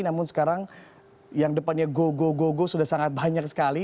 namun sekarang yang depannya go go go go sudah sangat banyak sekali